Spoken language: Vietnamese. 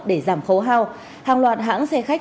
để giảm khấu hao hàng loạt hãng xe khách